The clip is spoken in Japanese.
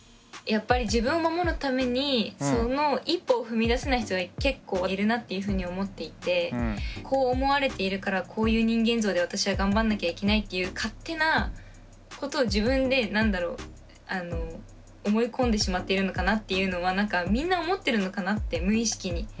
まあそういう人が結構いるなっていうふうに思っていてこう思われているからこういう人間像で私は頑張んなきゃいけないっていう勝手なことを自分で何だろう思い込んでしまっているのかなっていうのはみんな思ってるのかなって無意識に。